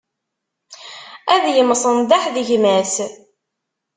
Ad yemsenḍaḥ d gma-s.